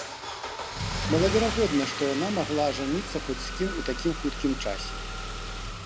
Малаверагодна, што яна магла ажаніцца хоць з кім у такім хуткім часе.